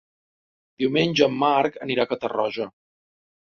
Diumenge en Marc anirà a Catarroja.